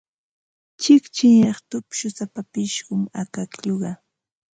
Chiqchiniraq tupshusapa pishqum akaklluqa.